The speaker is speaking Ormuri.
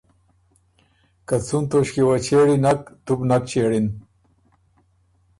که څُون توݭکې وه چېړی نک، تُو بُو نک چېړِن۔